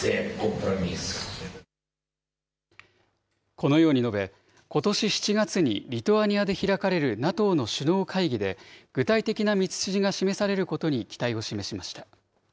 このように述べ、ことし７月にリトアニアで開かれるＮＡＴＯの首脳会議で、具体的な道筋が示されることに期待を示しました。